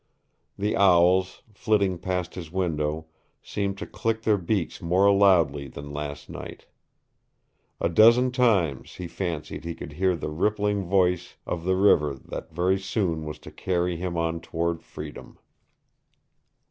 The owls, flitting past his window, seemed to click their beaks more loudly than last night. A dozen times he fancied he could hear the rippling voice of the river that very soon was to carry him on toward freedom.